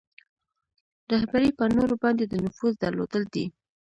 رهبري په نورو باندې د نفوذ درلودل دي.